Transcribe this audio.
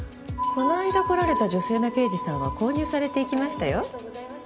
この間来られた女性の刑事さんは購入されていきましたよ。